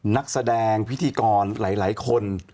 นักแสดงพิธีกรหลายคน